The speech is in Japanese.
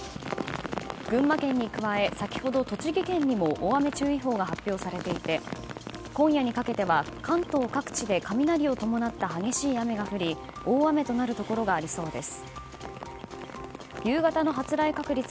群馬県に加え、先ほど栃木県にも大雨注意報が発表されていて今夜にかけては関東各地で雷を伴った激しい雨が降り大雨となるところがありそうです。